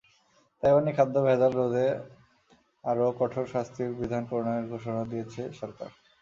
তাইওয়ানে খাদ্যে ভেজাল রোধে আরও কঠোর শাস্তির বিধান প্রণয়নের ঘোষণা দিয়েছে সরকার।